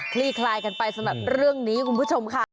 ลี่คลายกันไปสำหรับเรื่องนี้คุณผู้ชมค่ะ